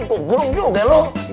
gua gurung juga lu